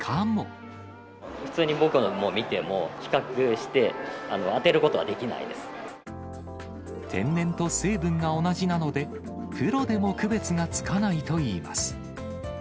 普通に僕らが見ても、比較して、天然と成分が同じなので、プロでも区別がつかないといいます。